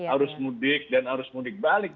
arus mudik dan arus mudik balik